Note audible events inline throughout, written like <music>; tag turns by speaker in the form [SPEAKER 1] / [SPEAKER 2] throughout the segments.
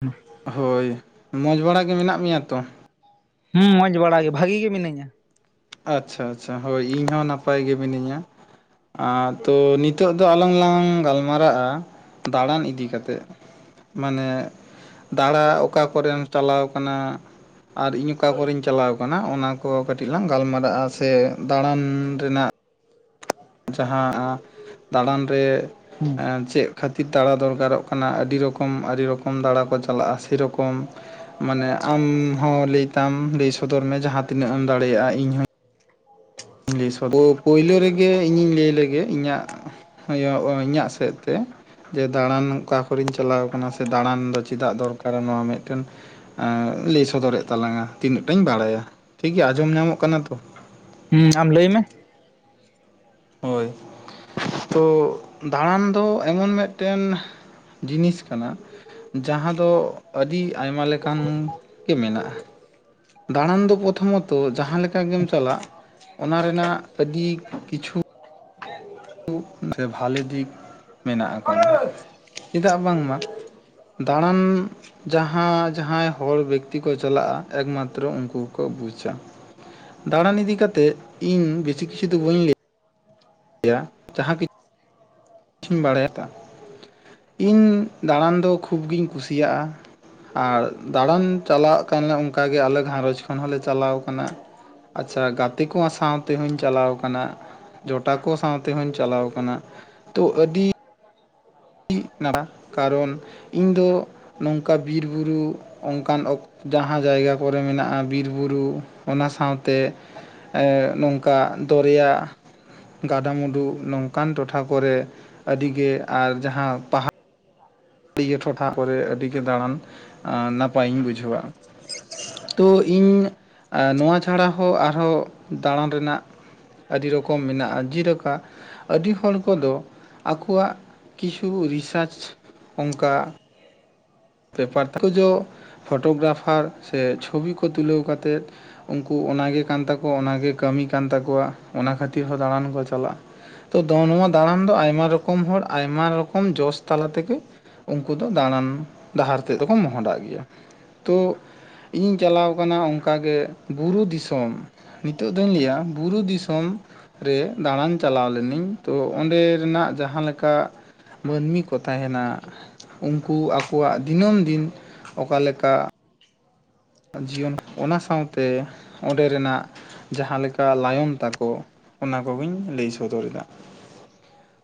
[SPEAKER 1] ᱦᱮᱸ <inaudible>
[SPEAKER 2] ᱦᱳᱭ ᱢᱚᱡᱽ ᱵᱟᱲᱟ ᱜᱮ ᱢᱮᱱᱟᱜ ᱢᱮᱭᱟ ᱛᱚ?
[SPEAKER 1] ᱦᱩ ᱢᱚᱡ ᱵᱟᱲᱟ ᱜᱮ ᱵᱷᱟᱜᱤ ᱜᱮ ᱢᱤᱱᱟᱹᱧᱟ᱾
[SPEAKER 2] ᱟᱪᱪᱷᱟ ᱟᱪᱪᱷᱟ ᱦᱚᱭ ᱤᱧ ᱦᱚᱸ ᱱᱟᱯᱟᱭ ᱜᱮ ᱢᱤᱱᱟᱹᱧᱟ, ᱛᱚ ᱱᱤᱛᱳᱜ ᱫᱚ ᱟᱞᱟᱝ ᱞᱟᱝ ᱜᱟᱞᱢᱟᱨᱟᱜᱼᱟ ᱫᱟᱬᱟᱱ ᱤᱫᱤ ᱠᱟᱛᱮᱜ ᱢᱟᱱᱮ ᱫᱟᱬᱟ ᱚᱠᱟ ᱠᱚᱨᱮᱢ ᱪᱟᱞᱟᱣ ᱠᱟᱱᱟ ᱟᱨ ᱤᱧ ᱚᱠᱟ ᱠᱚᱨᱮᱧ ᱪᱟᱞᱟᱣ ᱠᱟᱱᱟ ᱚᱱᱟ ᱠᱚ ᱠᱟᱹᱴᱤᱡ ᱞᱟᱝ ᱜᱟᱞᱢᱟᱨᱟᱜᱼᱟ ᱥᱮ ᱫᱟᱬᱟᱱ ᱨᱮᱱᱟᱜ ᱡᱟᱦᱟᱸ ᱫᱟᱬᱟᱱ ᱨᱮ
[SPEAKER 1] ᱦᱩᱸ
[SPEAKER 2] ᱮᱸ ᱪᱮᱫ ᱠᱷᱟᱹᱛᱤᱨ ᱫᱟᱲᱟ ᱫᱚᱨᱠᱟᱨᱚᱜ ᱠᱟᱱᱟ ᱟᱹᱰᱤ ᱨᱚᱠᱚᱢ ᱟᱹᱰᱤ ᱨᱚᱠᱚᱢ ᱫᱟᱬᱟ ᱠᱚ ᱪᱟᱞᱟᱜᱼᱟ, ᱥᱮᱨᱚᱠᱚᱢ ᱢᱟᱱᱮ ᱟᱢ ᱦᱚᱸ ᱞᱟᱹᱭ ᱛᱟᱢ ᱞᱟᱹᱭ ᱥᱚᱫᱚᱨ ᱢᱮ ᱡᱟᱦᱟᱸ ᱛᱱᱟᱹᱜ ᱮᱢ ᱫᱟᱲᱮᱭᱟᱜᱼᱟ ᱤᱧᱦᱚ ᱞᱟᱹᱭ ᱥᱚᱫᱚᱨ ᱯᱳ ᱯᱳᱭᱞᱳ ᱨᱮᱜᱮ ᱤᱧᱤᱧ ᱞᱟᱹᱭ ᱞᱮᱜᱮ ᱤᱧᱟᱹᱜ ᱚᱭᱚ ᱤᱧᱟᱹᱜ ᱥᱮᱫ ᱛᱮ ᱡᱮ ᱫᱟᱬᱟᱱ ᱚᱠᱟ ᱠᱚᱨᱮᱧ ᱪᱟᱞᱟᱣ ᱠᱟᱱᱟ ᱥᱮ ᱫᱟᱬᱟᱱ ᱫᱚ ᱪᱮᱫᱟᱜ ᱫᱚᱨᱠᱟᱨᱟ ᱱᱚᱣᱟ ᱢᱤᱫᱴᱮᱱ ᱮᱸ ᱞᱟᱹᱭ ᱥᱚᱫᱚᱨᱮᱜ ᱛᱟᱞᱟᱝᱟ ᱛᱤᱱᱟᱹᱜ ᱴᱟᱧ ᱵᱹᱟᱲᱟᱭᱟ, ᱴᱷᱤᱠᱜᱮᱭᱟ ᱟᱸᱡᱚᱢ ᱧᱟᱢᱚᱜ ᱠᱟᱱᱟ ᱛᱚ?
[SPEAKER 1] ᱦᱩᱸ ᱟᱢ ᱞᱟᱹᱭ ᱢᱮ᱾
[SPEAKER 2] ᱦᱳᱭ ᱛᱚ ᱫᱟᱬᱟᱱ ᱫᱚ ᱮᱢᱚᱱ ᱢᱮᱫᱴᱮᱱ ᱡᱤᱱᱤᱥ ᱠᱟᱱᱟ, ᱡᱟᱦᱟᱸ ᱫᱚ ᱟᱹᱰᱤ ᱟᱭᱢᱟ ᱞᱮᱠᱟᱱ ᱜᱮ ᱢᱮᱱᱟᱜᱼᱟ᱾ ᱫᱟᱬᱟᱱ ᱫᱚ ᱯᱨᱚᱛᱷᱚᱢᱚᱛᱚ ᱡᱟᱦᱟᱸ ᱞᱮᱠᱟ ᱜᱮᱢ ᱪᱟᱞᱟᱜ ᱚᱱᱟ ᱨᱮᱱᱟᱜ ᱟᱹᱰᱤ ᱠᱤᱪᱷᱩ
[SPEAKER 1] ᱦᱮ <unintelligible>
[SPEAKER 2] ᱦᱮᱸᱥᱮ ᱵᱷᱟᱞᱮ ᱫᱤᱠ ᱢᱮᱱᱟᱜ ᱠᱟᱫᱟ, ᱪᱮᱫᱟᱜ ᱵᱟᱝᱢᱟ ᱫᱟᱬᱟᱱ ᱡᱟᱦᱟᱸ ᱡᱟᱦᱟᱸᱭ ᱦᱚᱲ ᱵᱮᱠᱛᱤ ᱠᱚ ᱪᱟᱞᱟᱜᱼᱟ ᱮᱠᱢᱟᱛᱨᱚ ᱩᱝᱠᱩ ᱠᱚ ᱵᱩᱪᱟ᱾ ᱫᱟᱬᱟᱱ ᱤᱫᱤ ᱠᱟᱛᱮᱫ ᱤᱧ ᱵᱮᱥᱤ ᱠᱤᱪᱷᱩ ᱫᱚ ᱵᱟᱹᱧ ᱞᱮ ᱭᱟ ᱡᱟᱦᱟᱸ ᱠᱤ ᱪᱷᱩᱧ ᱵᱟᱲᱟᱭ ᱠᱟᱜ, ᱤᱧ ᱫᱟᱬᱟᱱ ᱫᱚ ᱠᱷᱩᱵ ᱜᱤᱧ ᱠᱩᱥᱤᱭᱟᱜᱼᱟ ᱟᱨ ᱫᱟᱬᱟᱱ ᱪᱟᱞᱟᱜ ᱠᱟᱱᱟ ᱚᱝᱠᱟ ᱜᱮ ᱟᱞᱮ ᱜᱷᱟᱸᱨᱚᱸᱡᱽ ᱠᱷᱚᱱ ᱦᱚᱸᱞᱮ ᱪᱟᱞᱟᱣ ᱠᱟᱱᱟ, ᱟᱪᱪᱷᱟ ᱜᱟᱛᱮ ᱠᱚ ᱥᱟᱶ ᱛᱮᱦᱚᱧ ᱪᱟᱞᱟᱣ ᱠᱟᱱᱟ᱾ ᱡᱚᱴᱟ ᱠᱚ ᱥᱟᱶ ᱛᱮᱦᱚᱧ ᱪᱟᱞᱟᱣ ᱠᱟᱱᱟ, ᱛᱚ ᱟᱹᱰᱤ ᱤᱜ <unintelligible> ᱠᱟᱨᱚᱱ ᱤᱧ ᱫᱚ ᱱᱚᱝᱠᱟ ᱵᱤᱨ ᱵᱩᱨᱩ ᱚᱝᱠᱟᱱ ᱚᱠᱛᱚ ᱡᱟᱦᱟᱸ ᱡᱟᱭᱜᱟ ᱠᱚᱨᱮ ᱢᱮᱱᱟᱜ-ᱟ ᱵᱤᱨ ᱵᱩᱨᱩ ᱚᱱᱟ ᱥᱟᱶᱛᱮ ᱮᱸᱜ ᱱᱚᱝᱠᱟ ᱫᱚᱨᱭᱟ ᱜᱟᱰᱟ ᱢᱩᱰᱩ ᱱᱚᱝᱠᱟᱱ ᱴᱚᱴᱷᱟ ᱠᱚᱨᱮ, ᱟᱹᱰᱤᱜᱮ ᱟᱨ ᱡᱟᱦᱟᱸ ᱯᱟᱦᱟ ᱲᱤᱭᱟ. ᱴᱚᱴᱷᱟ ᱠᱚᱨᱮ ᱟᱹᱰᱤ ᱜᱮ ᱫᱟᱬᱟᱱ ᱟᱸ ᱱᱟᱯᱟᱭ ᱤᱧ ᱵᱩᱡᱷᱟᱹᱣᱟ᱾ ᱛᱚ ᱤᱧ ᱟ ᱱᱚᱣᱟ ᱪᱷᱟᱲᱟ ᱦᱚᱸ ᱟᱨᱦᱚᱸ ᱫᱟᱬᱟᱱ ᱨᱮᱱᱟᱜ ᱟᱹᱰᱤ ᱨᱚᱠᱚᱢ ᱢᱮᱱᱟᱜᱼᱟ, ᱡᱤᱞᱮᱠᱟ ᱟᱹᱰᱤ ᱦᱚᱲ ᱠᱚᱫᱚ ᱟᱠᱚᱣᱟᱜ ᱠᱤᱪᱷᱩ ᱨᱤᱥᱟᱨᱪ ᱚᱝᱠᱟ ᱵᱮᱯᱟᱨ ᱛᱮ ᱩᱱᱠᱩ ᱡᱚ ᱯᱷᱳᱴᱳ ᱜᱨᱟᱯᱷᱟᱨ ᱥᱮ ᱪᱷᱚᱵᱤ ᱠᱚ ᱛᱩᱞᱟᱹᱣ ᱠᱟᱛᱮᱜ ᱩᱝᱠᱩ ᱚᱱᱟ ᱜᱮ ᱠᱟᱱ ᱛᱟᱠᱚᱣᱟ ᱚᱱᱟᱜᱮ ᱠᱟᱹᱢᱤ ᱠᱟᱱ ᱛᱟᱠᱚᱣᱟ, ᱚᱱᱟ ᱠᱷᱟᱹᱛᱤᱨ ᱦᱚᱸ ᱫᱟᱬᱟᱱ ᱠᱚ ᱪᱟᱞᱟᱜ-ᱟ᱾ ᱛᱚ ᱫᱚ ᱱᱚᱣᱟ ᱫᱟᱬᱟᱱ ᱫᱚ ᱟᱭᱢᱟ ᱨᱚᱠᱚᱢ ᱦᱚᱲ ᱟᱭᱢᱟ ᱨᱚᱠᱚᱢ ᱡᱚᱥ ᱛᱟᱞᱟ ᱛᱮᱜᱮ ᱩᱝᱠᱩ ᱫᱚ ᱫᱟᱬᱟᱱ ᱰᱟᱦᱟᱨ ᱛᱮ ᱫᱚ ᱠᱚ ᱢᱚᱦᱚᱰᱟᱜ ᱜᱮᱭᱟ, ᱛᱚ ᱤᱧ ᱪᱟᱞᱟᱣ ᱠᱟᱱᱟ ᱚᱝᱠᱟ ᱜᱮ ᱵᱩᱨᱩ ᱫᱤᱥᱚᱢ᱾ ᱱᱤᱛᱚᱜ ᱫᱩᱧ ᱞᱟᱹᱭᱟ ᱵᱩᱨᱩ ᱫᱤᱥᱚᱢ ᱨᱮ ᱫᱟᱬᱟᱱ ᱪᱟᱞᱟᱣ ᱞᱮᱱᱟᱹᱧ, ᱛᱚ ᱚᱸᱰᱮ ᱨᱮᱱᱟᱜ ᱡᱟᱦᱟᱸ ᱞᱮᱠᱟ ᱢᱟᱹᱱᱢᱤ ᱠᱚ ᱛᱟᱦᱮᱱᱟ ᱩᱱᱠᱩ ᱟᱠᱚᱣᱟᱜ ᱫᱤᱱᱟᱹᱢ ᱫᱤᱱ ᱚᱠᱟ ᱞᱮᱠᱟ ᱡᱤᱭᱚᱱ ᱚᱱᱟ ᱥᱟᱶᱛᱮ ᱚᱸᱰᱮ ᱨᱮᱱᱟᱜ ᱡᱟᱦᱟᱸ ᱞᱮᱠᱟ ᱞᱟᱭᱚᱝ ᱛᱟᱠᱚ ᱚᱱᱟ ᱠᱚᱜᱤᱧ ᱞᱟᱹᱭ ᱥᱚᱫᱚᱨ ᱮᱫᱟ᱾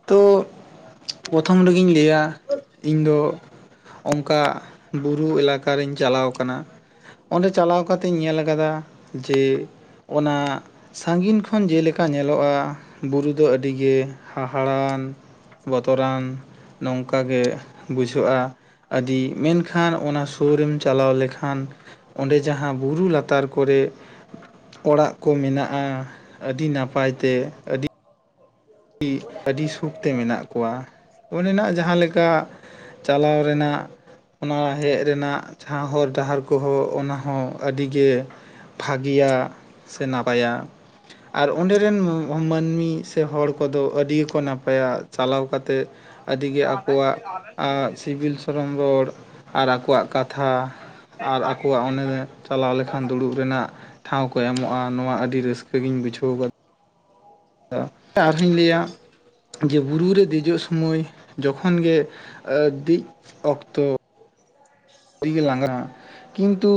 [SPEAKER 2] ᱛᱚ ᱯᱨᱚᱛᱷᱚᱢ ᱨᱮᱜᱤᱧ ᱞᱟᱹᱭᱟ ᱤᱧ ᱫᱚ ᱚᱱᱠᱟ ᱵᱩᱨᱩ ᱮᱞᱟᱠᱟ ᱨᱮᱧ ᱪᱟᱞᱟᱣ ᱠᱟᱱᱟ᱾ ᱚᱸᱰᱮ ᱪᱟᱞᱟᱣ ᱠᱟᱛᱮᱧ ᱧᱮᱞ ᱟᱠᱟᱫᱟ ᱡᱮ ᱚᱱᱟ ᱥᱟᱺᱜᱤᱧ ᱠᱷᱚᱱ ᱡᱮᱞᱮᱠᱟ ᱧᱮᱞᱚᱜ-ᱟ᱾ ᱵᱩᱨᱩ ᱫᱚ ᱟᱹᱰᱤᱜᱮ ᱦᱟᱦᱟᱲᱟᱣᱟᱱ ᱵᱚᱛᱚᱨᱟᱱ ᱱᱚᱝᱠᱟᱜᱮ ᱵᱩᱡᱷᱟᱹᱜ-ᱟ᱾ ᱟᱹᱰᱤ ᱢᱮᱱᱠᱷᱟᱱ ᱚᱱᱟ ᱥᱳᱨ ᱨᱮᱢ ᱪᱟᱞᱟᱣ ᱞᱮᱠᱷᱟᱱ ᱚᱸᱰᱮ ᱡᱟᱦᱟᱸ ᱵᱩᱨᱩ ᱞᱟᱛᱟᱨ ᱠᱚᱨᱮᱫ ᱚᱲᱟᱜ ᱠᱚ ᱢᱮᱱᱟᱜ-ᱟ, ᱟᱹᱰᱤ ᱱᱟᱯᱟᱭ ᱛᱮ, ᱟᱹᱰᱤ ᱟᱹᱰᱤ ᱥᱩᱠᱛᱮ ᱢᱮᱱᱟᱜ ᱠᱚᱣᱟ᱾ ᱚᱸᱰᱮᱱᱟᱜ ᱡᱟᱦᱟᱸ ᱞᱮᱠᱟ ᱪᱟᱞᱟᱣ ᱨᱮᱱᱟᱜ ᱚᱱᱟ ᱦᱮᱡ ᱨᱮᱱᱟᱜ ᱡᱟᱦᱟᱸ ᱦᱚᱨ ᱰᱟᱦᱟᱨ ᱠᱚᱦᱚᱸ ᱚᱱᱟ ᱦᱚᱸ ᱟᱹᱰᱤᱜᱮ ᱵᱷᱟᱹᱜᱤᱭᱟ ᱥᱮ ᱱᱟᱯᱟᱭᱟ᱾ ᱟᱨ ᱚᱸᱰᱮ ᱨᱮᱱ ᱢᱟᱹᱱᱢᱤ ᱥᱮ ᱦᱚᱲ ᱠᱚᱫᱚ ᱟᱹᱰᱤ ᱜᱮᱠᱚ ᱱᱟᱯᱟᱭᱟ᱾ ᱪᱟᱞᱟᱣ ᱠᱟᱛᱮᱫ ᱟᱹᱰᱤ ᱜᱮ ᱟᱠᱚᱣᱟᱜ ᱟ ᱥᱤᱵᱤᱞ ᱠᱟᱨᱚᱱ ᱫᱚᱲ ᱟᱨ ᱟᱠᱚᱣᱟᱜ ᱠᱟᱛᱷᱟ ᱟᱨ ᱟᱠᱚᱣᱟᱜ ᱚᱱᱮᱫᱮ ᱪᱟᱞᱟᱣ ᱞᱮᱠᱷᱟᱱ ᱫᱩᱲᱩᱵ ᱨᱮᱱᱟᱜ ᱴᱷᱟᱶ ᱠᱚ ᱮᱢᱚᱜ-ᱟ, ᱱᱚᱣᱟ ᱟᱹᱰᱤ ᱨᱟᱹᱥᱠᱟᱹᱜᱤᱧ ᱵᱩᱡᱷᱟᱹᱣ ᱟᱠᱟ ᱟᱨᱦᱚᱧ ᱞᱟᱹᱭᱟ ᱡᱮ ᱵᱩᱨᱩ ᱨᱮ ᱫᱮᱡᱚᱜ ᱥᱩᱢᱚᱭ ᱡᱚᱠᱷᱚᱱ ᱜᱮ ᱟ ᱫᱤᱡ ᱚᱠᱛᱚ ᱫᱤ ᱜᱮ ᱞᱟᱸᱜᱟ-ᱟ᱾ ᱠᱤᱱᱛᱩ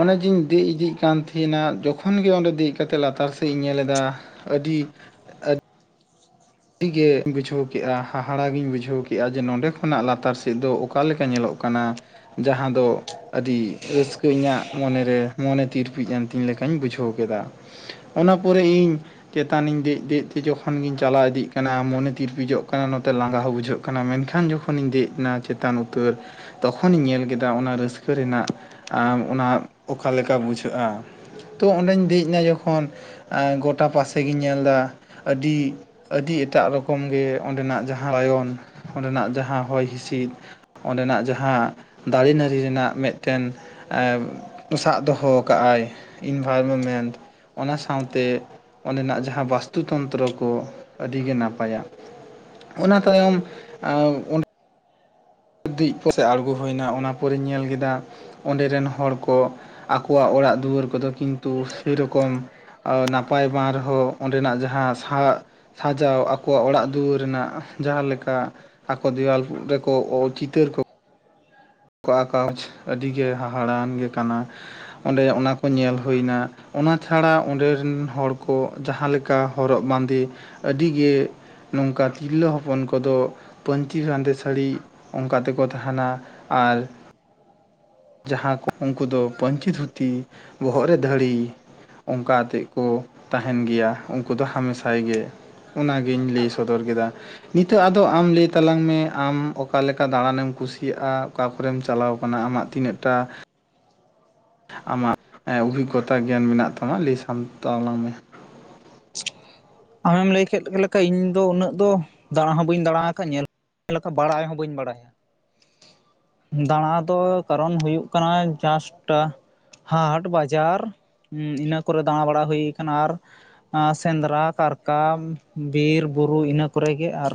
[SPEAKER 2] ᱚᱱᱮ ᱡᱤᱧ ᱫᱮᱡ ᱤᱫᱤᱜ ᱠᱟᱱ ᱛᱟᱦᱮᱱᱟ, ᱡᱚᱠᱷᱚᱱ ᱜᱮ ᱚᱸᱰᱮ ᱫᱮᱡ ᱠᱟᱛᱮᱫ ᱞᱟᱛᱟᱨ ᱥᱮᱫ ᱤᱧ ᱧᱮᱞ ᱮᱫᱟ ᱟᱹᱰᱤ ᱟᱰᱤ ᱜᱮ ᱵᱩᱡᱷᱟᱹᱣ ᱠᱮᱜ-ᱟ᱾ ᱦᱟᱦᱟᱲᱟ ᱜᱤᱧ ᱵᱩᱡᱷᱟᱹᱣ ᱠᱮᱜ-ᱟ, ᱡᱮ ᱱᱚᱸᱰᱮ ᱠᱷᱚᱱᱟᱜ ᱞᱟᱛᱟᱨ ᱥᱮᱫ ᱫᱚ ᱚᱠᱟ ᱞᱮᱠᱟ ᱧᱮᱞᱚᱜ ᱠᱟᱱᱟ? ᱡᱟᱦᱟᱸ ᱫᱚ ᱟᱹᱰᱤ ᱨᱟᱹᱥᱠᱟᱹ ᱤᱧᱟᱹᱜ ᱢᱚᱱᱮᱨᱮ ᱢᱚᱱᱮ ᱛᱤᱨᱯᱤᱡ ᱮᱱ ᱛᱤᱧ ᱞᱮᱠᱟᱧ ᱵᱩᱡᱷᱟᱹᱣ ᱠᱮᱫᱟ᱾ ᱚᱱᱟ ᱯᱚᱨᱮ ᱤᱧ ᱪᱮᱛᱟᱱᱤᱧ ᱫᱮᱡ ᱫᱮᱡ ᱛᱮ ᱡᱚᱠᱷᱚᱱ ᱜᱤᱧ ᱪᱟᱞᱟᱣ ᱤᱫᱤᱜ ᱠᱟᱱᱟ ᱢᱚᱱᱮ ᱛᱤᱨᱯᱤᱡᱚᱜ ᱠᱟᱱᱟ ᱱᱚᱛᱮ ᱞᱟᱸᱜᱟ ᱦᱚᱸ ᱵᱩᱡᱷᱟᱹᱜ ᱠᱟᱱᱟ, ᱢᱮᱱᱠᱷᱟᱱ ᱡᱚᱠᱷᱚᱱᱤᱧ ᱫᱮᱡ ᱮᱱᱟ ᱪᱮᱛᱟᱱ ᱩᱛᱟᱹᱨ᱾ ᱛᱚᱠᱷᱚᱱᱤᱧ ᱧᱮᱞ ᱠᱮᱫᱟ ᱚᱱᱟ ᱨᱟᱹᱥᱠᱟᱹ ᱨᱮᱱᱟᱜ ᱟᱢ ᱚᱱᱟ ᱚᱠᱟ ᱞᱮᱠᱟ ᱵᱩᱡᱷᱟᱹᱜ-ᱟ? ᱛᱚ ᱚᱸᱰᱮᱧ ᱫᱮᱡ ᱮᱱᱟ ᱡᱚᱠᱷᱚᱱ ᱟ ᱜᱚᱴᱟ ᱯᱟᱥᱮ ᱜᱤᱧ ᱧᱮᱞᱫᱟ ᱟᱹᱰᱤ ᱟᱹᱰᱤ ᱮᱴᱟᱜ ᱨᱚᱠᱚᱢ ᱜᱮ ᱚᱸᱰᱮᱱᱟᱜ ᱡᱟᱦᱟᱸ ᱞᱟᱭᱚᱱ ᱚᱸᱰᱮᱱᱟᱜ ᱡᱟᱦᱟᱸ ᱦᱚᱭ ᱦᱤᱸᱥᱤᱫ᱾ ᱚᱸᱰᱮᱱᱟᱜ ᱡᱟᱦᱟᱸ ᱫᱟᱨᱤ ᱱᱟᱹᱲᱤ ᱨᱮᱱᱟᱜ ᱢᱤᱫᱴᱮᱱ ᱮᱸ ᱥᱟᱵ ᱫᱚᱦᱚᱣ ᱠᱟᱜᱼᱟᱭ ᱤᱱᱵᱷᱟᱨᱢᱮᱱᱴ᱾ ᱚᱱᱟ ᱥᱟᱶᱛᱮ ᱚᱸᱰᱮᱱᱟᱜ ᱡᱟᱦᱟᱸ ᱵᱟᱥᱛᱩ ᱛᱚᱱᱛᱨᱚ ᱠᱚ ᱟᱹᱰᱤ ᱜᱮ ᱱᱟᱯᱟᱭᱟ᱾ ᱚᱱᱟ ᱛᱟᱭᱚᱢ ᱟ ᱫᱤᱡ ᱠᱚ ᱥᱮ ᱟᱬᱜᱳ ᱦᱳᱭᱱᱟ ᱚᱱᱟ ᱯᱚᱨᱮᱧ ᱧᱮᱞ ᱠᱮᱫᱟ ᱚᱸᱰᱮ ᱨᱮᱱ ᱦᱚᱲ ᱠᱚ ᱟᱠᱚᱣᱟᱜ ᱚᱲᱟᱜ ᱫᱩᱣᱟᱹᱨ ᱠᱚᱫᱚ ᱠᱤᱱᱛᱩ ᱥᱮᱨᱚᱠᱚᱢ ᱟ ᱱᱟᱯᱟᱭ ᱵᱟᱝ ᱨᱮᱦᱚᱸ ᱚᱸᱰᱮᱱᱟᱜ ᱡᱟᱦᱟᱸ ᱥᱟ ᱥᱟᱡᱟᱣ ᱟᱠᱚᱣᱟᱜ ᱚᱲᱟᱜ ᱫᱩᱭᱟᱹᱨ ᱨᱮᱱᱟᱜ ᱡᱟᱦᱟᱞᱮᱠᱟ ᱟᱠᱚ ᱫᱮᱣᱟᱞ ᱨᱮᱠᱚ ᱟᱞ ᱪᱤᱛᱟᱹᱨ ᱠᱚ ᱠᱚ ᱟᱠᱟᱣᱡᱽ ᱟᱹᱰᱤ ᱜᱮ ᱦᱟᱦᱟᱲᱟᱱ ᱜᱮ ᱠᱟᱱᱟ᱾ ᱚᱸᱰᱮ ᱚᱱᱟ ᱠᱚ ᱧᱮᱞ ᱦᱩᱭᱱᱟ᱾ ᱚᱱᱟ ᱪᱷᱟᱲᱟ ᱚᱸᱰᱮ ᱨᱮᱱ ᱦᱚᱲ ᱠᱚ ᱡᱟᱦᱟᱸ ᱞᱮᱠᱟ ᱦᱚᱨᱚᱜ ᱵᱟᱸᱫᱮ ᱟᱹᱰᱤ ᱜᱮ ᱱᱚᱝᱠᱟ ᱛᱤᱨᱞᱟᱹ ᱦᱚᱯᱚᱱ ᱠᱚᱫᱚ ᱯᱟᱹᱧᱪᱤ ᱨᱟᱸᱫᱮ ᱥᱟᱹᱲᱤ ᱚᱱᱠᱟ ᱛᱮᱠᱚ ᱛᱟᱦᱮᱱᱟ᱾ ᱟᱨ ᱾ ᱡᱟᱦᱟᱸ ᱠᱚ ᱩᱱᱠᱩ ᱫᱚ, ᱯᱟᱹᱧᱪᱤ ᱫᱷᱽᱩᱛᱤ ᱵᱚᱦᱚᱜ ᱨᱮ ᱫᱷᱽᱟᱹᱲᱤ ᱾ ᱚᱝᱠᱟ ᱟᱛᱮᱫ ᱠᱚ ᱛᱟᱦᱮᱱ ᱜᱮᱭᱟ᱾ ᱩᱱᱠᱩ ᱫᱚ ᱦᱟᱢᱮᱥᱟᱭ ᱜᱮ ᱾ ᱚᱱᱟ ᱜᱤᱧ ᱞᱟᱹᱭ ᱥᱚᱫᱚᱨ ᱠᱮᱫᱟ ᱾ ᱱᱤᱛᱚᱜ ᱟᱫᱚ ᱟᱢ ᱞᱟᱹᱭ ᱛᱟᱞᱟᱝ ᱢᱮ᱾ ᱟᱢ ᱚᱠᱟ ᱞᱮᱠᱟ ᱫᱟᱬᱟᱸᱱᱮᱢ ᱠᱩᱥᱤᱭᱟᱜᱼᱟ᱾ ᱚᱠᱟ ᱠᱚᱨᱮᱢ ᱪᱟᱞᱟᱣ ᱟᱠᱟᱱᱟ ᱟᱢᱟᱜ ᱛᱤᱱᱟᱹᱜ ᱴᱟ ᱾ ᱟᱢᱟᱜ ᱚᱵᱷᱤᱜᱽᱚᱛᱟ ᱜᱮᱭᱟᱱ ᱢᱮᱱᱟᱜ ᱛᱟᱢᱟ᱾ ᱞᱟᱹᱭ ᱥᱟᱢ ᱛᱟᱞᱟᱝ ᱢᱮ ᱾
[SPEAKER 1] ᱟᱢᱮᱢ ᱞᱟᱹᱭ ᱠᱮᱫ ᱞᱮᱠᱟ ᱾ᱤᱧ ᱫᱚ ᱩᱱᱟᱹᱜ ᱫᱚ, ᱫᱟᱲᱟ ᱦᱚᱸ ᱵᱟᱹᱧ ᱫᱟᱲᱟ ᱟᱠᱟᱫ᱾ ᱧᱮᱞ ᱞᱮᱠᱟ ᱵᱟᱲᱟᱭ ᱦᱚᱸ ᱵᱟᱹᱧ ᱵᱟᱲᱟᱭᱟ ᱾ ᱫᱟᱬᱟᱸ ᱫᱚ ᱠᱟᱨᱚᱱ ᱦᱩᱭᱩ-ᱜ ᱠᱟᱱᱟ᱾ ᱡᱟᱥᱴᱸ ᱾ ᱦᱟᱴᱸ ᱵᱟᱡᱟᱨ ᱤᱱᱟᱹ ᱠᱚᱨᱮ ᱫᱟᱬᱟᱸ ᱵᱟᱲᱟ ᱦᱩᱭ ᱠᱟᱱᱟ᱾ ᱟᱨ ᱥᱮᱸᱫᱽᱨᱟ᱾ ᱠᱟᱨᱠᱟᱢ ᱵᱤᱨ, ᱵᱩᱨᱩ, ᱤᱱᱟᱹ ᱠᱚᱨᱮ ᱜᱮ᱾ ᱟᱨ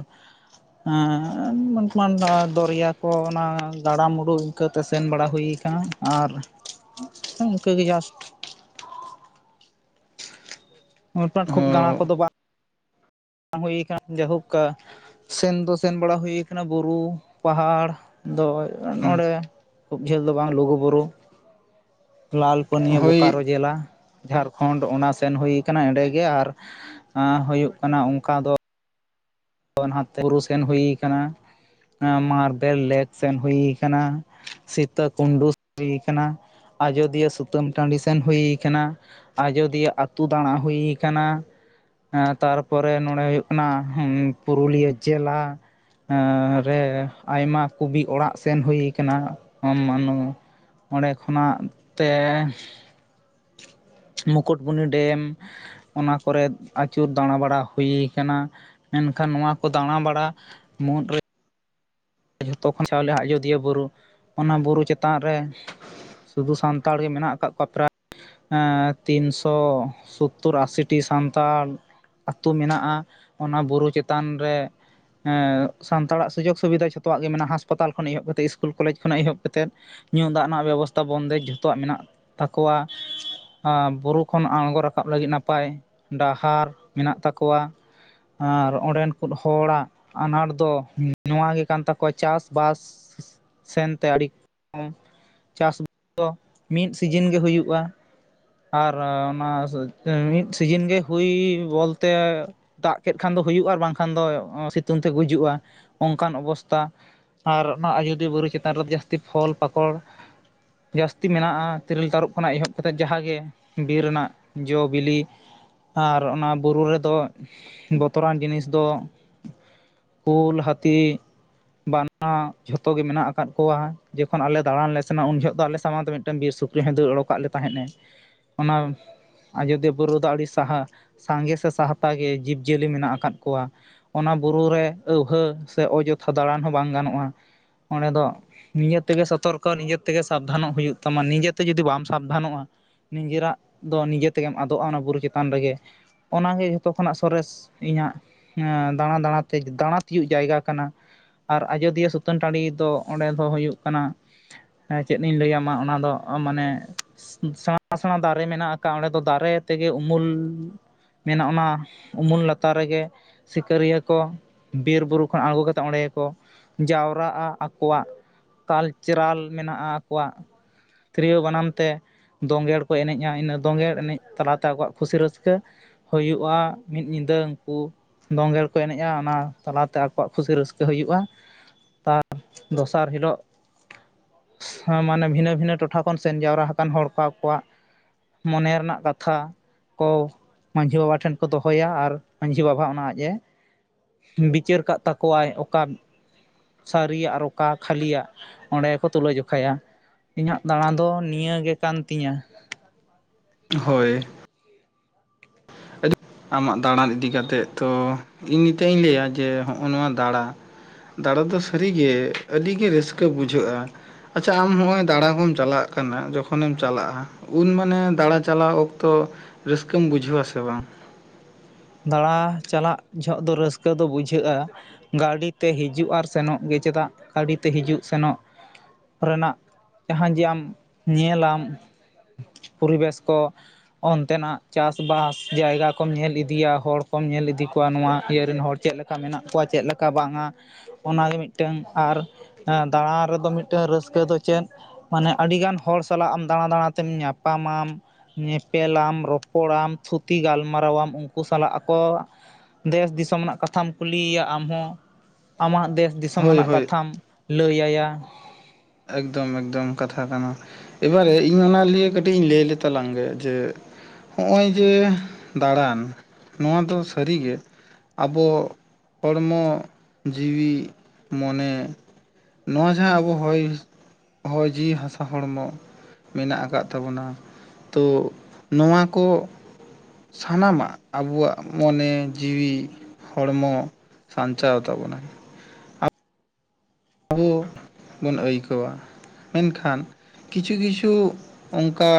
[SPEAKER 1] ᱟᱸ <unintelligible> ᱫᱚᱨᱭᱟ ᱠᱚ ᱚᱱᱟ ᱜᱟᱲᱟᱼ ᱢᱩᱰᱩ ᱠᱟᱹᱛᱮ ᱥᱮᱱ ᱵᱟᱲᱟ ᱦᱩᱭ ᱠᱟᱱᱟ᱾ ᱟᱨ ᱤᱱᱠᱟᱹᱜᱮ ᱡᱟᱦᱟ ᱚᱨ ᱯᱟᱴᱸ ᱠᱩᱵ ᱫᱟᱬᱟᱸ ᱠᱚᱼᱫᱚ ᱵᱟᱝ ᱾ ᱦᱩᱭ ᱠᱟᱱᱟ ᱡᱦᱩᱵᱠᱟ ᱥᱮᱱ ᱫᱚ ᱥᱮᱱ ᱵᱟᱲᱟ ᱦᱩᱭ ᱠᱟᱱᱟ᱾ ᱵᱩᱨᱩ ᱯᱟᱦᱟᱲ ᱫᱚ ᱱᱚᱸᱰᱮ ᱾ ᱠᱷᱩᱵ ᱡᱷᱽᱟᱹᱞ ᱫᱚ ᱵᱟᱝ᱾ ᱞᱩᱜᱩ ᱵᱩᱨᱩ ᱾ ᱞᱟᱞ ᱯᱟᱹᱱᱭᱟᱹ
[SPEAKER 2] ᱦᱳᱭ
[SPEAKER 1] ᱵᱳᱠᱟᱨᱳ ᱡᱮᱞᱟ ᱾ ᱡᱷᱟᱲᱠᱷᱚᱸᱰ ᱚᱱᱟ ᱥᱮᱱ ᱦᱩᱭ ᱠᱟᱱ ᱾ ᱮᱰᱮᱸᱜᱮ ᱟᱨ ᱟᱸᱻ ᱦᱩᱭᱩᱜ ᱠᱟᱱᱟ᱾ᱚᱱᱠᱟ ᱫᱚ᱾ ᱚᱱᱟ ᱯᱩᱨᱩ ᱥᱮᱱ ᱦᱩᱭ ᱠᱟᱱᱟ᱾ ᱢᱟᱨᱵᱮᱞ ᱞᱮᱠ ᱥᱮᱱ ᱦᱩᱭ ᱠᱟᱱᱟ ᱥᱤᱛᱟᱹ ᱠᱩᱱᱰᱩᱸ ᱦᱩᱭ ᱠᱟᱱᱟ᱾ ᱟᱡᱳᱫᱤᱭᱟᱹ ᱥᱩᱛᱟᱹᱢ ᱴᱟᱺᱰᱤ ᱥᱮᱱ ᱦᱩᱭ ᱠᱟᱱᱟ ᱾ ᱟᱡᱚᱫᱤᱭᱟᱹ ᱟᱹᱛᱩ ᱫᱟᱬᱟᱸ ᱦᱩᱭ ᱠᱟᱱᱟ ᱾ ᱦᱸ ᱛᱟᱨᱯᱚᱨᱮ ᱱᱚᱸᱰᱮ ᱦᱩᱭᱩ-ᱜ ᱠᱟᱱᱟ᱾ ᱦᱸ ᱯᱩᱨᱩᱞᱤᱭᱟᱹ ᱪᱮᱞᱟ ᱾ ᱦᱸ ᱨᱮ ᱟᱭᱢᱟ ᱠᱚᱵᱤ ᱚᱲᱟᱜ ᱥᱮᱱ ᱦᱩᱭᱩᱜ ᱠᱟᱱᱟ᱾ ᱚᱸᱰᱮ ᱠᱷᱚᱱᱟᱜ ᱛᱮ ᱢᱩᱠᱩᱴ ᱵᱩᱱᱤᱸ ᱰᱮᱢ ᱾ ᱚᱱᱟ ᱠᱚᱨᱮ ᱟᱹᱪᱩᱨ ᱫᱟᱬᱟᱸ ᱵᱟᱲᱟ ᱦᱩᱭ ᱠᱟᱱᱟ ᱾ ᱮᱠᱷᱟᱱ ᱱᱚᱣᱟ ᱠᱚ ᱫᱟᱬᱟᱸ ᱵᱟᱲᱟ ᱢᱩᱫᱽᱨᱮ ᱡᱷᱚᱛᱚ ᱠᱷᱚᱱ ᱪᱟᱣᱞᱮ ᱟᱡᱳᱫᱤᱭᱼᱟ᱾ ᱵᱩᱨᱩ᱾ ᱚᱱᱟ ᱵᱩᱨᱩ ᱪᱮᱛᱟᱱ ᱨᱮ ᱥᱩᱫᱽᱷᱩ ᱥᱟᱱᱛᱟᱲ ᱜᱮ ᱢᱮᱱᱟ-ᱜ ᱟᱠᱟᱫ ᱠᱚᱣᱟ ᱾ ᱯᱨᱟᱭ ᱮᱸᱻ ᱛᱤᱱᱥᱳ ᱥᱳᱛᱳᱨ ᱟᱥᱤᱴᱤ ᱥᱟᱱᱛᱟᱲ ᱾ ᱟᱹᱛᱩᱳ ᱢᱮᱱᱟᱜᱼᱟ᱾ ᱚᱱᱟ ᱵᱩᱨᱩ ᱪᱮᱛᱟᱱ ᱨᱮ ᱦᱸ ᱥᱟᱱᱛᱟᱲᱟ-ᱜ ᱥᱩᱡᱳᱜᱽ ᱥᱩᱵᱤᱫᱷᱟ᱾ ᱡᱷᱚᱛᱚᱣᱟ-ᱜ ᱜᱮ ᱢᱮᱱᱟᱜᱼᱟ᱾ ᱦᱟᱸᱥᱯᱟᱛᱟᱞ ᱠᱷᱚᱱᱟᱜ ᱮᱦᱚᱵ ᱠᱟᱛᱮᱜ ᱥᱠᱩᱞ ᱠᱚᱞᱮᱡᱽ ᱠᱷᱚᱱᱟᱜ ᱮᱦᱚᱵ ᱠᱟᱛᱮᱜ ᱧᱩ ᱫᱟᱜ ᱨᱮᱱᱟ-ᱜ ᱵᱮᱵᱚᱥᱛᱷᱟ᱾ ᱵᱚᱱᱫᱮᱡᱽ ᱡᱷᱚᱛᱚᱣᱟ-ᱜ ᱢᱮᱱᱟᱜ ᱾ ᱛᱟᱠᱚᱣᱟ ᱾ ᱵᱩᱨᱩ ᱠᱷᱚᱱ ᱟᱬᱜᱚᱸ ᱨᱟᱠᱟᱵ ᱞᱟᱹᱜᱤᱫ ᱱᱟᱯᱟᱭ ᱰᱟᱦᱟᱨ ᱢᱮᱱᱟᱜ ᱛᱟᱠᱚᱣᱟ ᱾ ᱟᱨ ᱚᱸᱰᱮᱱ ᱠᱚ ᱦᱚᱲᱟ-ᱜ ᱟᱱᱟᱴᱸ ᱫᱚ ᱱᱚᱣᱟ ᱜᱮ ᱠᱟᱱ ᱛᱟ ᱠᱚ ᱪᱟᱥ ᱵᱟᱥ ᱥᱮᱱᱛᱮ ᱟᱹᱰᱤ ᱠᱚᱢ ᱪᱟᱥ ᱵᱟᱥ ᱫᱚ ᱢᱤᱫ ᱥᱤᱡᱤᱱ ᱜᱮ ᱦᱩᱭᱩᱜᱼᱟ᱾ ᱟᱨ ᱚᱱᱟ ᱢᱤᱫ ᱥᱤᱡᱤᱱ ᱜᱮ ᱦᱩᱭ ᱵᱚᱞᱛᱮ ᱫᱟᱜ ᱠᱮᱫ ᱠᱷᱟᱱ ᱫᱚ ᱦᱩᱭᱩᱜᱼᱟ᱾ ᱟᱨ ᱵᱟᱝᱠᱷᱟᱱ ᱫᱚ, ᱥᱤᱛᱩᱝ ᱛᱮ ᱜᱩᱡᱩᱜᱼᱟ᱾ ᱚᱱᱠᱟᱱ ᱚᱵᱚᱥᱛᱟ ᱟᱨ ᱚᱱᱟ ᱟᱡᱳᱫᱤᱭᱟᱹ ᱵᱩᱨᱩ ᱪᱮᱛᱟᱱ ᱨᱮᱫᱚ᱾ ᱡᱟᱹᱥᱛᱤ ᱯᱷᱽᱚᱞ, ᱯᱟᱠᱚᱲ ᱡᱟᱹᱥᱛᱤ ᱢᱮᱱᱟᱜᱼᱟ᱾ ᱛᱤᱨᱤᱞ ᱛᱟᱹᱨᱩᱵ ᱠᱷᱚᱱᱟᱜ ᱮᱦᱚᱵ ᱠᱟᱛᱮᱫ᱾ ᱡᱟᱦᱟᱸᱜᱮ ᱵᱤᱨ ᱨᱮᱱᱟᱜ ᱡᱚᱼ ᱵᱤᱞᱤ ᱟᱨ ᱚᱱᱟ ᱵᱩᱨᱩ ᱨᱮᱫᱚ ᱵᱚᱛᱚᱨᱟᱱ ᱡᱤᱱᱤᱥ ᱫᱚ ᱠᱩᱞ, ᱦᱟᱹᱛᱤ, ᱵᱟᱱᱟ ᱡᱷᱚᱛᱚ ᱜᱮ ᱢᱮᱱᱟᱜ ᱟᱠᱟᱫ ᱠᱚᱣᱟ ᱡᱮᱠᱷᱚᱱ ᱟᱞᱮ ᱫᱟᱬᱟᱱ ᱞᱮ ᱥᱮᱱᱟ ᱩᱱ ᱡᱚᱦᱚᱜ ᱫᱚ ᱟᱞᱮ ᱥᱟᱢᱟᱝ ᱛᱮ ᱢᱤᱫᱴᱟᱝ ᱵᱤᱨ ᱥᱩᱠ ᱜᱮᱦᱮᱸ ᱫᱟᱹᱲ ᱚᱰᱚᱠᱟᱜ ᱞᱮ ᱛᱟᱦᱮᱸᱫ ᱮ ᱚᱱᱟ ᱟᱡᱳᱫᱤᱭᱟᱹ ᱵᱩᱨᱩ ᱫᱚ ᱟᱹᱰᱤ ᱥᱟᱦᱟ ᱥᱟᱸᱜᱮ ᱥᱮ ᱥᱟᱦᱛᱟ ᱜᱮ ᱡᱤᱵᱽᱼᱡᱤᱭᱟᱹᱞᱤ ᱢᱮᱱᱟᱜ ᱟᱠᱟᱫ ᱠᱚᱣᱟ ᱾ ᱚᱱᱟ ᱵᱩᱨᱩ ᱨᱮ ᱟᱹᱣᱦᱟᱹ ᱥᱮ ᱚᱡᱚᱛᱷᱟ ᱫᱟᱬᱟᱱ ᱦᱚᱸ ᱵᱟᱝ ᱜᱟᱱᱚᱜᱼᱟ ᱚᱸᱰᱮ ᱫᱚ ᱱᱤᱡᱮ ᱛᱮᱜᱮ ᱥᱚᱛᱚᱨᱠᱚ ᱱᱤᱡᱮ ᱛᱮᱜᱮ ᱥᱟᱵᱫᱷᱟᱱᱚᱜ ᱦᱩᱭᱩᱜ ᱛᱟᱢᱟ ᱱᱤᱡᱮᱛᱮ ᱡᱩᱫᱤ ᱵᱟᱢ ᱥᱟᱵᱫᱷᱟᱱᱚᱜᱼᱟ ᱾ ᱱᱤᱡᱮᱨᱟᱜ ᱫᱚ ᱱᱤᱡᱮ ᱛᱮᱜᱮᱢ ᱟᱫᱚᱜᱼᱟ, ᱚᱱᱟ ᱵᱩᱨᱩ ᱪᱮᱛᱟᱱ ᱨᱮᱜᱮ ᱾ ᱚᱱᱟᱜᱮ ᱡᱚᱛᱚ ᱠᱷᱚᱱᱟᱜ ᱥᱚᱨᱮᱥ ᱤᱧᱟᱹᱜ ᱾ ᱦᱮᱸ ᱫᱟᱬᱟ ᱫᱟᱬᱟᱛᱮ ᱫᱟᱬᱟ ᱛᱤᱭᱳᱜ ᱡᱟᱭᱜᱟ ᱠᱟᱱᱟ ᱾ ᱟᱨ ᱟᱡᱚᱫᱤᱭᱟᱹ ᱥᱩᱛᱟᱹᱱ ᱴᱟᱺᱰᱤ ᱫᱚ ᱚᱸᱰᱮ ᱫᱚ ᱦᱩᱭᱩᱜ ᱠᱟᱱᱟ ᱮᱸ ᱪᱮᱜ ᱤᱧ ᱞᱟᱹᱭᱟ ᱢᱟ ᱚᱱᱟ ᱫᱚ ᱢᱟᱱᱮ ᱥᱮᱬᱟ ᱥᱮᱬᱟ ᱫᱟᱨᱮ ᱢᱮᱱᱟᱜ ᱟᱠᱟ ᱚᱸᱰᱮ ᱫᱚ ᱫᱟᱨᱮ ᱛᱮᱜᱮ ᱩᱢᱩᱞ ᱾ ᱢᱮᱱᱟᱜ ᱚᱱᱟ ᱩᱢᱩᱞ ᱞᱟᱛᱟᱨ ᱨᱮᱜᱮ ᱥᱤᱠᱟᱹᱨᱤᱭᱟᱹᱠᱚ ᱵᱤᱨ ᱵᱩᱨᱩ ᱠᱷᱚᱱ ᱟᱬᱜᱚᱠᱟᱛᱮᱫ ᱚᱸᱰᱮ ᱜᱮᱠᱚ ᱡᱟᱣᱨᱟᱜᱼᱟ ᱟᱠᱚᱣᱟᱜ ᱠᱟᱞᱪᱟᱨᱟᱞ ᱢᱮᱱᱟᱜᱼᱟ ᱟᱠᱚᱣᱟᱜ ᱾ ᱛᱤᱨᱤᱭᱳ ᱵᱟᱱᱟᱢ ᱛᱮ ᱫᱚᱝᱜᱮᱲ ᱠᱚ ᱮᱱᱮᱡᱼᱟ ᱤᱱᱟᱹ ᱫᱚᱝᱜᱮᱲ ᱮᱱᱮᱡ ᱛᱟᱞᱟᱛᱮ ᱟᱠᱚᱣᱟᱜ ᱠᱷᱩᱥᱤ ᱨᱟᱹᱥᱠᱟᱹ ᱾ ᱦᱩᱭᱩᱜᱼᱟ ᱢᱤᱫ ᱧᱤᱫᱟᱹ ᱩᱱᱠᱩ ᱫᱚᱝᱜᱮᱲ ᱠᱚ ᱮᱱᱮᱡᱼᱟ ᱚᱱᱟ ᱛᱟᱞᱟᱛᱮ ᱟᱠᱚᱣᱟᱜ ᱠᱷᱩᱥᱤ ᱨᱟᱹᱥᱠᱟᱹ ᱦᱩᱭᱩᱜᱼᱟ ᱾ ᱛᱟᱨ ᱫᱚᱥᱟᱨ ᱦᱤᱞᱳᱜ ᱢᱟᱱᱮ ᱵᱷᱤᱱᱟᱹ ᱵᱷᱤᱱᱟᱹ ᱴᱚᱴᱷᱟ ᱠᱷᱚᱱ ᱥᱮᱱ ᱡᱟᱣᱨᱟ ᱦᱟᱠᱟᱱ ᱦᱚᱲ ᱠᱚ ᱟᱠᱚᱣᱟᱜ ᱢᱚᱱᱮ ᱨᱮᱱᱟᱜ ᱠᱟᱛᱷᱟ ᱾ ᱠᱚ ᱢᱟᱺᱡᱷᱤ ᱵᱟᱵᱟ ᱴᱷᱮᱱ ᱠᱚ ᱫᱚᱦᱚᱭᱟ ᱟᱨ ᱢᱟᱺᱡᱷᱤ ᱵᱟᱵᱟ ᱦᱚᱸ ᱚᱱᱟ ᱟᱡᱼ ᱮ ᱵᱤᱪᱟᱹᱨ ᱠᱟᱜ ᱛᱟᱠᱚᱣᱟᱭ ᱚᱠᱟᱱ ᱥᱟᱹᱨᱤᱭᱟᱜ ᱟᱨ ᱚᱠᱟ ᱠᱷᱟᱹᱞᱤᱭᱟᱜ ᱚᱸᱰᱮ ᱜᱮ ᱠᱚ ᱛᱩᱞᱟᱹ ᱡᱚᱠᱷᱟᱭᱟ ᱾ ᱤᱧᱟᱹᱜ ᱫᱟᱬᱟ ᱫᱚ ᱱᱤᱭᱟᱹ ᱜᱮ ᱠᱟᱱ ᱛᱤᱧᱟᱹ ᱾
[SPEAKER 2] ᱦᱳᱭ, <inaudible> ᱟᱢᱟᱜ ᱫᱟᱬᱟᱱ ᱤᱫᱤ ᱠᱟᱛᱮᱫ ᱛᱚ ᱤᱧ ᱱᱤᱛᱚᱜ ᱤᱧ ᱞᱟᱹᱭᱟ ᱡᱮ ᱦᱚᱜᱼ ᱱᱚᱣᱟ ᱫᱟᱬᱟ ᱫᱟᱬᱟ ᱫᱚ ᱥᱟᱹᱨᱤᱜᱮ ᱟᱹᱰᱤᱜᱮ ᱨᱟᱹᱥᱠᱟᱹ ᱵᱩᱡᱷᱟᱹᱜᱼᱟ ᱾ ᱟᱪᱪᱷᱟ ᱟᱢ ᱦᱚᱸᱜᱼᱚᱭ ᱫᱟᱬᱟ ᱦᱚᱢ ᱪᱟᱞᱟᱜ ᱠᱟᱱᱟ ᱡᱚᱠᱷᱚᱱᱮᱢ ᱪᱟᱞᱟᱜᱼᱟ ᱾ ᱩᱱ ᱢᱟᱱᱮ ᱫᱟᱬᱟ ᱪᱟᱞᱟ ᱚᱠᱛᱚ ᱨᱟᱹᱥᱠᱟᱹᱢ ᱵᱩᱡᱷᱟᱹᱣᱟ ᱥᱮ ᱵᱟᱝ?
[SPEAKER 1] ᱫᱟᱬᱟ ᱪᱟᱞᱟᱜ ᱡᱚᱦᱚᱜ ᱫᱚ ᱨᱟᱹᱥᱠᱟᱹ ᱫᱚ ᱵᱩᱡᱷᱟᱹᱜᱼᱟ ᱾ ᱜᱟᱹᱰᱤᱛᱮ ᱦᱤᱡᱩᱜ ᱟᱨ ᱥᱮᱱᱚᱜ ᱜᱮ ᱪᱮᱫᱟᱜ ᱜᱟᱹᱰᱤᱛᱮ ᱦᱤᱡᱩᱜ ᱥᱮᱱᱚᱜ? ᱨᱮᱱᱟᱜ ᱡᱟᱦᱟᱸ ᱡᱮ ᱟᱢ ᱧᱮᱞᱟᱢ ᱾ ᱯᱚᱨᱤᱵᱮᱥ ᱠᱚ ᱚᱱᱛᱮᱱᱟᱜ ᱪᱟᱥᱵᱟᱥ ᱡᱟᱭᱜᱟ ᱠᱚᱢ ᱧᱮᱞ ᱤᱫᱤ ᱛᱤᱭᱟ ᱦᱚᱲ ᱠᱚᱢ ᱧᱮᱞ ᱤᱫᱤ ᱠᱚᱣᱟ ᱱᱚᱣᱟ ᱤᱭᱟᱹ ᱨᱮᱱ ᱦᱚᱲ ᱪᱮᱫ ᱞᱮᱠᱟ ᱢᱮᱱᱟᱜ ᱠᱚᱣᱟ ᱪᱮᱫ ᱞᱮᱠᱟ ᱵᱟᱝᱼᱟ ᱾ ᱚᱱᱟᱜᱮ ᱢᱤᱫᱴᱟᱹᱝ ᱟᱨ ᱫᱟᱬᱟ ᱨᱮᱫᱚ ᱢᱤᱫᱴᱟᱹᱝ ᱨᱟᱹᱥᱠᱟᱹ ᱫᱚ ᱪᱮᱫ ᱾ ᱢᱟᱱᱮ ᱟᱹᱰᱤᱜᱟᱱ ᱦᱚᱲ ᱥᱟᱞᱟᱜ ᱟᱢ ᱫᱟᱬᱟ ᱫᱟᱬᱟ ᱛᱮᱢ ᱧᱟᱯᱟᱢᱟᱢ ᱾ ᱧᱮᱯᱮᱞᱟᱢ ᱨᱚᱯᱚᱲᱟᱢ ᱛᱷᱩᱛᱤ ᱜᱟᱞᱢᱟᱨᱟᱣᱟᱢ ᱠᱩ ᱥᱟᱞᱟᱜ ᱟᱠᱚ ᱫᱮᱥ ᱫᱤᱥᱚᱢ ᱨᱮᱱᱟᱜ ᱠᱟᱛᱷᱟᱢ ᱠᱩᱞᱤᱭᱮᱭᱟ ᱟᱢ ᱦᱚ ᱟᱢᱟᱜ ᱫᱮᱥ ᱫᱤᱥᱚᱢ
[SPEAKER 2] ᱦᱳᱭ
[SPEAKER 1] ᱟᱱᱟᱜ
[SPEAKER 2] ᱦᱳᱭ
[SPEAKER 1] ᱠᱟᱛᱷᱟᱢ ᱞᱟᱹᱭ ᱟᱭᱟ ᱾
[SPEAKER 2] ᱮᱠᱫᱚᱢ ᱮᱠᱫᱚᱢ ᱠᱟᱛᱷᱟ ᱠᱟᱱᱟ ᱾ ᱮᱵᱟᱨᱮ ᱤᱧ ᱚᱱᱟ ᱞᱤᱭᱮ ᱠᱟᱹᱴᱤᱡ ᱤᱧ ᱞᱟᱹᱭ ᱞᱮᱛᱟᱞᱟᱝᱜᱮ ᱡᱮ ᱦᱚᱜᱼᱚᱭ ᱡᱮ ᱫᱟᱬᱟᱱ ᱱᱚᱣᱟ ᱫᱚ ᱥᱟᱹᱨᱤᱜᱮ ᱟᱵᱚ ᱦᱚᱲᱢᱚ ᱡᱤᱣᱤ ᱢᱚᱱᱮ ᱱᱚᱣᱟ ᱡᱟᱦᱟᱸ ᱟᱵᱚ ᱦᱚᱭ ᱦᱚᱭ ᱡᱤᱣᱤ ᱦᱟᱥᱟ ᱦᱚᱲᱢᱚ᱾᱾ ᱢᱮᱱᱟᱜ-ᱟ ᱠᱟᱫ ᱛᱟᱵᱚᱱᱟ ᱛᱚ ᱱᱚᱣᱟ ᱠᱚ ᱥᱟᱱᱟᱢᱟᱜ ᱟᱵᱚᱣᱟᱜ ᱢᱚᱱᱮ ᱡᱤᱣᱤ ᱦᱚᱲᱢᱚ ᱥᱟᱧᱪᱟᱣ ᱛᱟᱵᱚᱱᱟᱭ᱾ ᱟᱵᱚ ᱵᱚᱱ ᱟᱹᱭᱠᱟᱹᱣᱟ ᱢᱮᱱᱠᱷᱟᱱ ᱠᱤᱪᱷᱩ ᱠᱤᱪᱷᱩ ᱚᱱᱠᱟ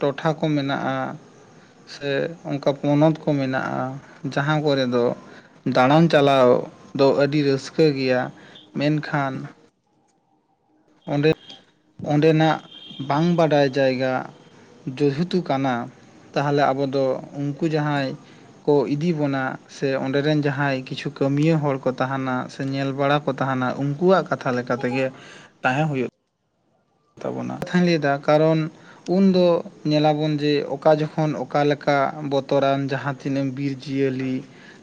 [SPEAKER 2] ᱴᱚᱴᱷᱟ ᱠᱚ ᱢᱮᱱᱟᱜᱼᱟ ᱥᱮ ᱚᱱᱠᱟ ᱯᱚᱱᱚᱛ ᱠᱚ ᱢᱮᱱᱟᱜᱼᱟ, ᱡᱟᱦᱟᱸ ᱠᱚᱨᱮ ᱫᱚ ᱫᱟᱬᱟᱱ ᱪᱟᱞᱟᱣ ᱫᱚ ᱟᱹᱰᱤ ᱨᱟᱹᱥᱠᱟᱹ ᱜᱤᱭᱟ, ᱢᱮᱱᱠᱷᱟᱱ ᱚᱸᱰᱮ ᱚᱸᱰᱮᱱᱟᱜ ᱵᱟᱝ ᱵᱟᱰᱟᱭ ᱡᱟᱭᱜᱟ ᱡᱩᱦᱮᱛᱩ ᱠᱟᱱᱟ ᱛᱟᱦᱚᱞᱮ ᱟᱵᱚ ᱫᱚ ᱩᱱᱠᱩ ᱡᱟᱦᱟᱸᱭ ᱠᱚ ᱤᱫᱤ ᱵᱚᱱᱟ ᱥᱮ ᱚᱸᱰᱮᱨᱮᱱ ᱡᱟᱦᱟᱸᱭ ᱠᱤᱪᱷᱩ ᱠᱟᱹᱢᱭᱟᱹ ᱦᱚᱲ ᱠᱚ ᱛᱟᱦᱮᱱᱟ᱾ ᱥᱮ ᱧᱮᱞ ᱵᱟᱲᱟ ᱠᱚ ᱛᱟᱦᱮᱱᱟ ᱩᱱᱠᱩᱣᱟᱜ ᱠᱟᱛᱷᱟ ᱞᱮᱠᱟ ᱞᱮᱠᱟᱛᱮᱜᱮ ᱛᱟᱦᱮᱸ ᱦᱩᱭᱩᱜ ᱛᱟᱵᱚᱱᱟ ᱠᱟᱛᱷᱟᱧ ᱞᱟᱹᱭᱫᱟ ᱠᱟᱨᱚᱱ ᱩᱱᱫᱚ ᱧᱮᱞᱟᱵᱚᱱ ᱡᱮ ᱚᱠᱟ ᱡᱚᱠᱷᱚᱱ ᱚᱠᱟᱮ ᱞᱮᱠᱟ ᱵᱚᱛᱚᱨᱟᱱ ᱡᱟᱦᱟᱸ ᱛᱤᱱᱟᱹᱜ ᱵᱤᱨ ᱡᱤᱭᱟᱹᱞᱤ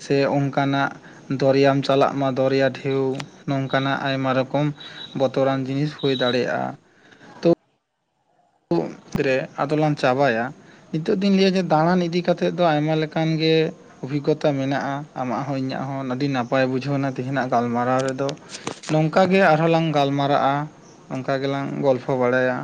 [SPEAKER 2] ᱥᱮ ᱚᱱᱠᱟᱱᱟᱜ ᱫᱚᱨᱭᱟᱟᱢ ᱪᱟᱞᱟᱜ ᱢᱟ ᱫᱚᱨᱭᱟ ᱰᱷᱮᱣ ᱱᱚᱝᱠᱟᱱᱟᱜ ᱟᱭᱢᱟ ᱨᱚᱠᱚᱢ᱾ ᱵᱚᱛᱚᱨᱟᱱ ᱡᱤᱱᱤᱥ ᱦᱩᱭ ᱫᱟᱲᱮᱭᱟᱜᱼᱟ ᱩᱛ ᱨᱮ ᱟᱫᱚᱞᱟᱝ ᱪᱟᱵᱟᱭᱟ᱾ ᱱᱤᱛᱚᱜ ᱫᱚᱧ ᱞᱟᱹᱭᱟ ᱡᱮ ᱫᱟᱬᱟᱱ ᱤᱫᱤ ᱠᱟᱛᱮᱫ ᱫᱚ ᱟᱭᱢᱟ ᱞᱮᱠᱟᱱ ᱜᱮ ᱚᱵᱷᱤᱜᱽᱜᱚᱛᱟ ᱢᱮᱱᱟᱜᱼᱟ ᱟᱢᱟᱜ ᱦᱚᱸ ᱤᱧᱟᱜ ᱦᱚᱸ ᱟᱹᱰᱤ ᱱᱟᱯᱟᱭ ᱵᱩᱡᱷᱟᱹᱣᱱᱟ ᱛᱮᱦᱤᱱᱟᱜ ᱜᱟᱞᱢᱟᱨᱟᱣ ᱨᱮᱫᱚ᱾ ᱱᱚᱝᱠᱟ ᱜᱮ ᱟᱨᱦᱚᱸ ᱞᱟᱝ ᱜᱟᱞᱢᱟᱨᱟᱜᱼᱟ ᱚᱝᱠᱟ ᱜᱮᱞᱟᱝ ᱜᱚᱞᱯᱷᱚ ᱵᱟᱲᱟᱭᱟ᱾